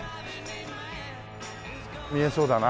見えそうだな。